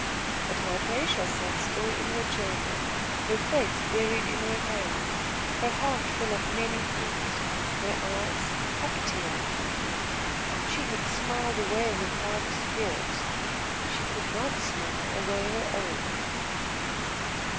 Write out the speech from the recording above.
But Hypatia sat still in her chamber, her face buried in her hands, her heart full of many thoughts; her eyes of tears. She had smiled away her father's fears; she could not smile away her own.